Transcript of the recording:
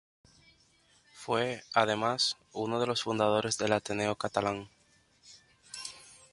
Fue, además, uno de los fundadores del Ateneo Catalán.